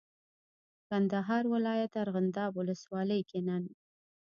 کندهار ولایت ارغنداب ولسوالۍ کې نن